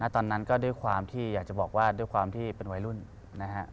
ตอนนั้นก็ด้วยความที่อยากจะบอกว่าด้วยความที่เป็นวัยรุ่นนะฮะ